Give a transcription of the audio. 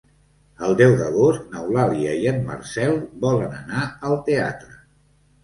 El deu d'agost n'Eulàlia i en Marcel volen anar al teatre.